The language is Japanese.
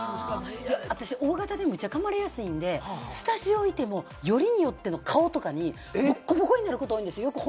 私、Ｏ型でめっちゃ噛まれやすいので、スタジオいても、よりによっても顔とかにボコボコになることが多いんです。